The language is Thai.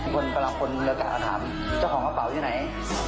คนประหลาดคนระกอดถามเจ้าของกระเป๋าอยู่ไหน